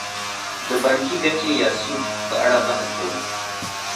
د بانکي ګټې یا سود په اړه بحث کوو